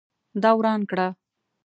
دا وران کړه